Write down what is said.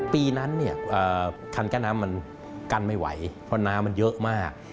ปีนั้นเนี่ยคันกั้นน้ำมันกั้นไม่ไหวเพราะน้ำมันเยอะมาก